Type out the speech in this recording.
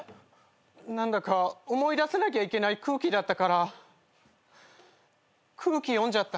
何だか思い出さなきゃいけない空気だったから空気読んじゃった。